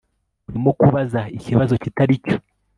Urimo kubaza ikibazo kitari cyo